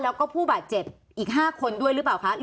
แล้วก็ผู้บาดเจ็บอีก๕คนด้วยหรือเปล่าคะ